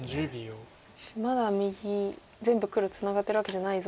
まだ右全部黒ツナがってるわけじゃないぞと。